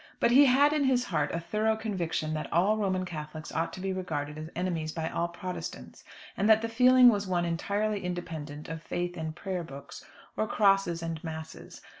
But he had in his heart a thorough conviction that all Roman Catholics ought to be regarded as enemies by all Protestants, and that the feeling was one entirely independent of faith and prayerbooks, or crosses and masses.